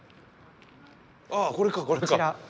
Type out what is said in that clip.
ああこれか、これか。